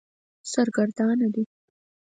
سرګردانه دی.